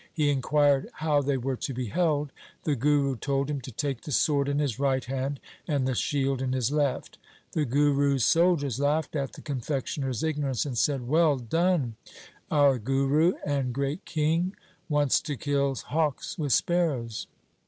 He inquired how they were to be held. The Guru told him to take the sword in his right hand and the shield in his left. The Guru's soldiers laughed at the confectioner's ignorance and said, ' Well done ! our Guru and great King wants to kill hawks with sparrows.'